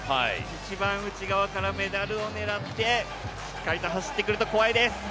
一番内側からメダルを狙って、走ってくると怖いです。